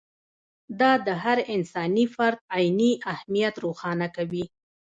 دا د هر انساني فرد عیني اهمیت روښانه کوي.